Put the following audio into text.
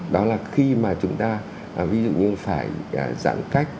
đó là khi mà chúng ta ví dụ như phải giãn cách